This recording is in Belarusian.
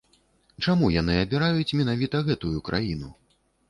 Чаму яны абіраюць менавіта гэтую краіну?